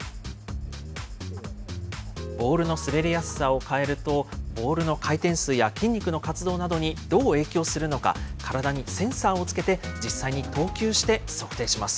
ボールの滑りやすさを変えると、ボールの回転数や筋肉の活動などにどう影響するのか、体にセンサーをつけて、実際に投球して測定します。